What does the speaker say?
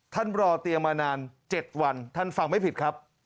รอเตียงมานาน๗วันท่านฟังไม่ผิดครับ